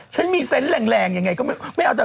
ฉันมีเซ็นต์แหล่งยังไงก็ไม่เอาจับ